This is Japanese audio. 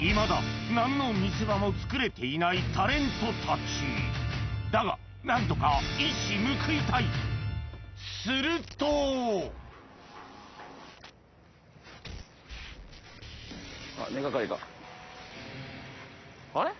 いまだ何の見せ場もつくれていないタレントたちだが何とか一矢報いたいするとあれ？